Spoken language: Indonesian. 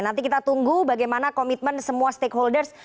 nanti kita tunggu bagaimana komitmen semua stakeholders